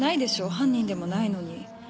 犯人でもないのに。